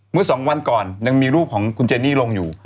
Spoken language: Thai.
เมื่อสองวันก่อนยังมีรูปของคุณเจนี่ลงอยู่